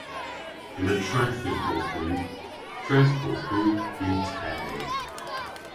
Yma treth yn Porthbud. Treth Porthbud yw teg.